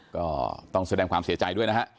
ก็ต้องแสดงความเสียใจด้วยนะฮะ